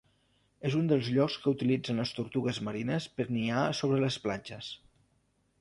És un dels llocs que utilitzen les tortugues marines per niar sobre les platges.